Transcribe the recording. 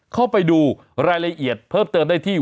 เข้าไปดูรายละเอียดเพิ่มเติมได้ที่